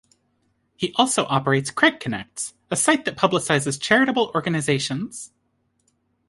He also operates Craigconnects, a site that publicizes charitable organizations.